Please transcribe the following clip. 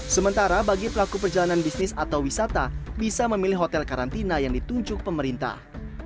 sementara bagi pelaku perjalanan bisnis atau wisata bisa memilih hotel karantina yang ditunjuk pemerintah